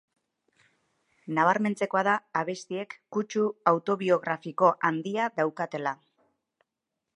Nabarmentzekoa da abestiek kutsu autobiografiko handia daukatela.